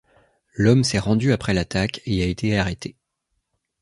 L'homme s'est rendu après l'attaque et a été arrêté.